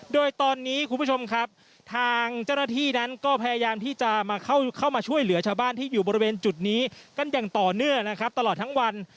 โดยตอนนี้คุณผู้ชมครับทางเจ้าหน้าที่นั้นก็พยายามที่จะมาเข้ามาช่วยเหลือชาวบ้านที่อยู่บริเวณจุดนี้กันอย่างต่อเนื่องนะครับตลอดทั้งวัน